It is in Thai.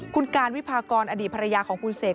คุณการวิพากรอดีตภรรยาของคุณเสก